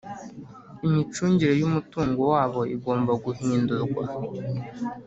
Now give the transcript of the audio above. imicungire y’umutungo wabo igomba guhindurwa